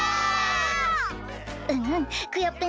うんうんクヨッペン